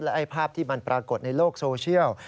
ไอ้ภาพที่มันปรากฏในโลกโซเชียล